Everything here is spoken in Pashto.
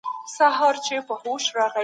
خلګ باید د ټولني د خیر لپاره کار وکړي.